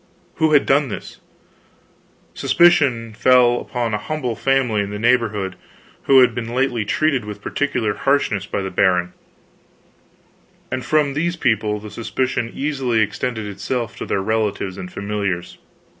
Who had done this? Suspicion fell upon a humble family in the neighborhood who had been lately treated with peculiar harshness by the baron; and from these people the suspicion easily extended itself to their relatives and familiars.